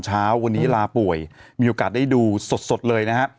เช้าวันนี้ลาป่วยมีโอกาสได้ดูสดเลยนะฮะ